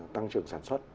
tăng trưởng sản xuất